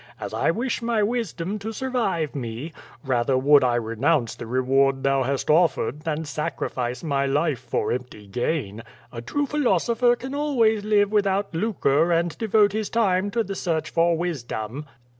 As I wish my wisdom to survive me, rather would I re nounce the reward thou hast offered, than sacrifice my life for empty gain. A true philosopher can always live without lucre and devote his time to the search for wisdom."